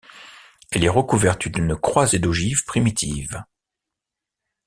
Elle est recouverte d'une croisée d'ogives primitive.